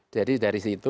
jadi dari situ